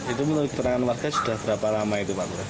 itu menurut keterangan warga sudah berapa lama itu pak